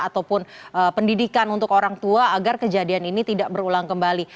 ataupun pendidikan untuk orang tua agar kejadian ini tidak berulang kembali